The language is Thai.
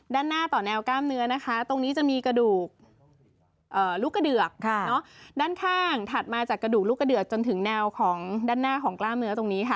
ด้านหน้าต่อแนวกล้ามเนื้อนะคะตรงนี้จะมีกระดูกลูกกระเดือกด้านข้างถัดมาจากกระดูกลูกกระเดือกจนถึงแนวของด้านหน้าของกล้ามเนื้อตรงนี้ค่ะ